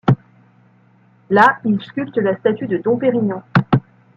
Là, il sculpte la statue de Dom Pérignon.